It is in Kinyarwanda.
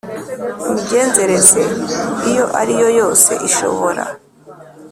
Imigenzereze Iyo Ari Yo Yose Ishobora